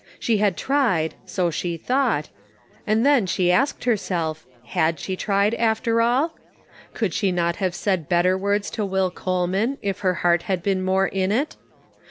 She had tried, so she thought. Arid then she asked herself, had she tried, after all ? Could she not have said bet ter words to Will Coleman if her heart had been more in it?